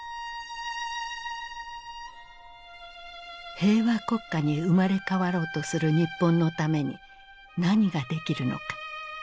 平和国家に生まれ変わろうとする日本のために何ができるのか。